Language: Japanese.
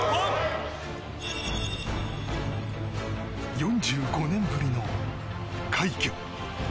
４５年ぶりの快挙。